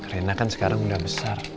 rena kan sekarang udah besar